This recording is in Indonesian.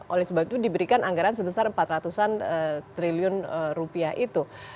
oleh sebab itu diberikan anggaran sebesar empat ratus an triliun rupiah itu